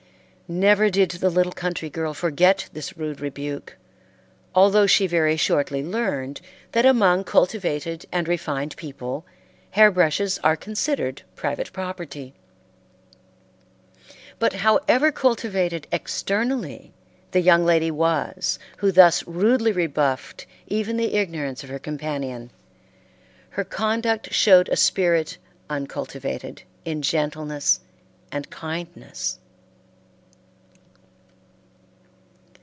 Never did the little country girl forget this rude rebuke, although she very shortly learned that among cultivated and refined people hair brushes are considered private property. But however cultivated externally the young lady was who thus rudely rebuffed even the ignorance of her companion, her conduct showed a spirit uncultivated in gentleness and kindness.